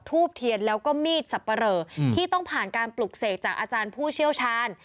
ทูบเทียนแล้วก็มีดสับปะเหลอที่ต้องผ่านการปลุกเสกจากอาจารย์ผู้เชี่ยวชาญ